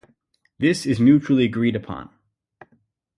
This is mutually agreed upon.